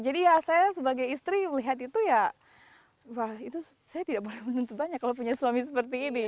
jadi ya saya sebagai istri melihat itu ya wah itu saya tidak boleh menentu banyak kalau punya suami seperti ini